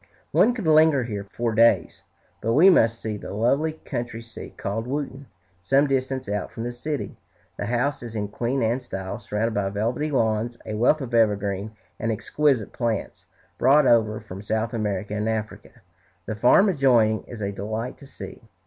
One could linger here for days, but we must see the lovely country seat called "Wootton," some distance out from the city. The house is in Queen Anne style, surrounded by velvety lawns, a wealth of evergreen and exquisite plants, brought over from South America and Africa. The farm adjoining is a delight to see.